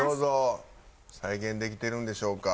再現できてるんでしょうか？